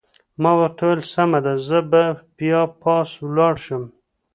ما ورته وویل: سمه ده، زه به بیا پاس ولاړ شم.